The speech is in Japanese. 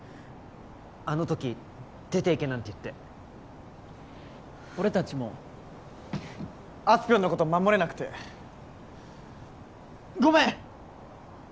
あの時出て行けなんて言って俺達もあすぴょんのこと守れなくてごめん！